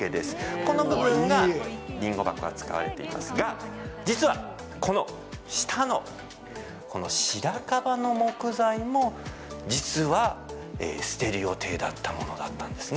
この部分がりんご箱が使われていますが実は、この下のシラカバの木材も実は捨てる予定だったものだったんですね。